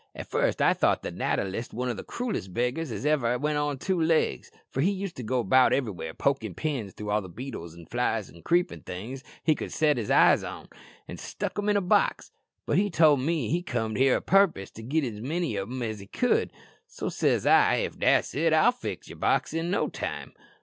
At first I thought the natter list one o' the cruellest beggars as iver went on two long legs, for he used to go about everywhere pokin' pins through all the beetles an' flies an' creepin' things he could sot eyes on, an' stuck them in a box. But he told me he comed here a purpose to git as many o' them as he could; so says I, 'If that's it, I'll fill yer box in no time.'